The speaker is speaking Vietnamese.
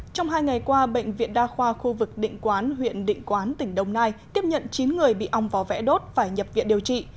trong hai ngày qua bệnh viện đa khoa khu vực định quán huyện định quán tỉnh đồng nai tiếp nhận chín người bị ong vò vẽ đốt phải nhập viện điều trị